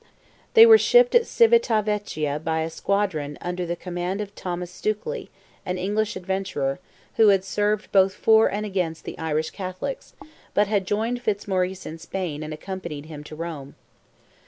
They were shipped at Civita Vecchia by a squadron under the command of Thomas Stukely, an English adventurer, who had served both for and against the Irish Catholics, but had joined Fitzmaurice in Spain and accompanied him to Rome.